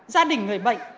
gia đình người bệnh